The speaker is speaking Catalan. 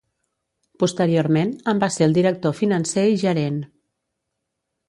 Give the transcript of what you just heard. Posteriorment en va ser el director financer i gerent.